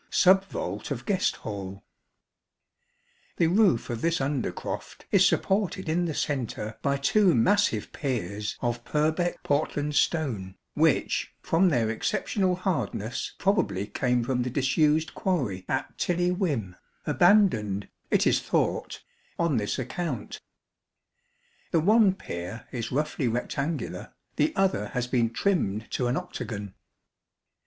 Sub vault of Guest Hall. The roof of this under croft is supported in the centre by tv/o massive piers of Purbeck Portland stone, which, 34 from their exceptional hardness, probably came from the disused quarry at Tilly Whim, abandoned, it is thought, on this account. The one pier is roughly rectangular, the other has been trimmed to an octagon.